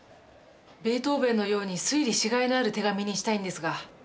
ベートーベンのように推理しがいのある手紙にしたいんですが。